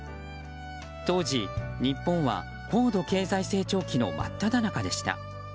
当時、日本は高度経済成長期の真っただ中でした。